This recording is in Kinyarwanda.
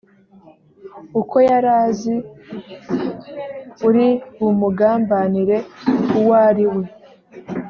uko yari azi uri bumugambanire uwo ari we